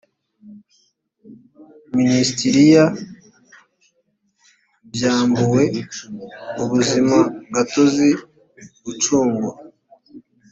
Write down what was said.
minisiteriya byambuwe ubuzimagatozi ucungwa